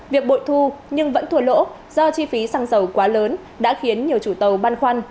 việc bội thu nhưng vẫn thua lỗ do chi phí xăng dầu quá lớn đã khiến nhiều chủ tàu băn khoăn